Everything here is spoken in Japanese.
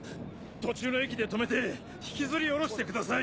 途中の駅で止めて引きずり下ろしてください！